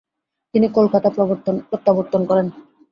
তিনি কলকাতা প্রত্যাবর্তন করেন।